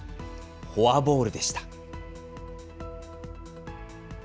フォアボールでした。